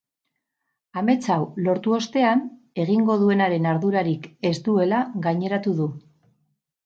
Amets hau lortu ostean, egingo duenaren ardurarik ez duela gaineratu du.